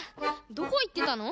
どこいってたの？